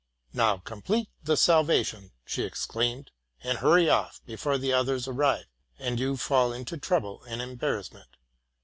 ''—'' Now complete the salvation,'' she exclaimed, '' and hurry off, before the others arrive, and you fall into trouble and embarrassment!"